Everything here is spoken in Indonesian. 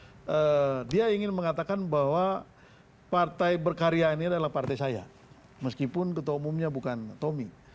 karena dia ingin mengatakan bahwa partai berkarya ini adalah partai saya meskipun ketua umumnya bukan tommy